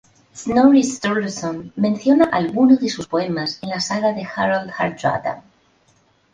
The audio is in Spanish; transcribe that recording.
Snorri Sturluson menciona alguno de sus poemas en la "saga de Harald Hardrada".